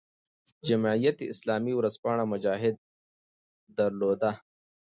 جمعیت اسلامي ورځپاڼه "مجاهد" درلوده.